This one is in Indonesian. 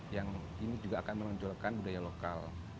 yang ini juga akan menonjolkan budaya lokal